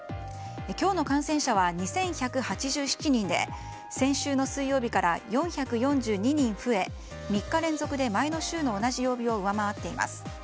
今日の感染者は２１８７人で先週の水曜日から４４２人増え３日連続で前の週の同じ曜日を上回っています。